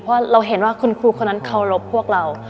เพราะเราเห็นว่าคุณครูคนนั้นเคารพพวกเรา